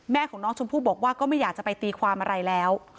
แม่ของน้องชมพู่บอกว่าก็ไม่อยากจะไปตีความอะไรแล้ว